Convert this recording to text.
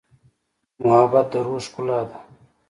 محبت د روح ښکلا ده.